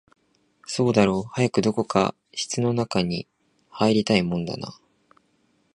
そうだろう、早くどこか室の中に入りたいもんだな